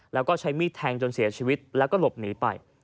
แล้วก็ใช้มีดแทงจนเสียชีวิตแล้วก็หลบหนีไป